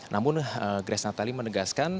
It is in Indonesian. namun grace natali menegaskan